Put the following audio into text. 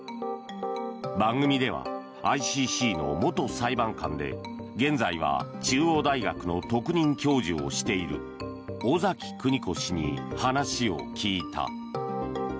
番組ではＩＣＣの元裁判官で、現在は中央大学の特任教授をしている尾崎久仁子氏に話を聞いた。